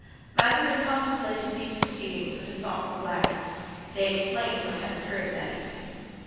Mazarin contemplated these proceedings with a thoughtful glance. They explained what had occurred that evening.